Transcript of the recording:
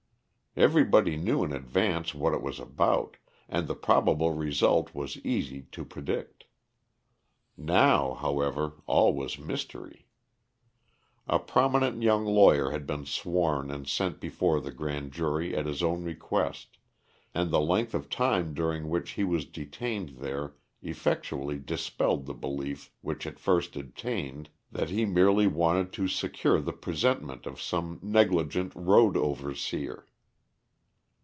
Everybody knew in advance what it was about, and the probable result was easy to predict. Now, however, all was mystery. A prominent young lawyer had been sworn and sent before the grand jury at his own request, and the length of time during which he was detained there effectually dispelled the belief which at first obtained, that he merely wanted to secure the presentment of some negligent road overseer.